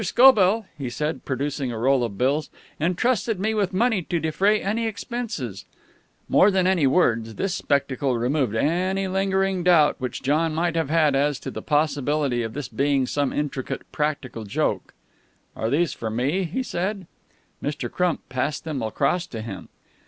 Scobell," he said, producing a roll of bills, "entrusted me with money to defray any expenses " More than any words, this spectacle removed any lingering doubt which John might have had as to the possibility of this being some intricate practical joke. "Are these for me?" he said. Mr. Crump passed them across to him.